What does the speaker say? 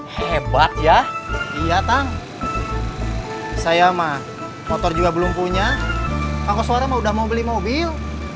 hebat ya iya tang saya mah motor juga belum punya koko suara udah mau beli mobil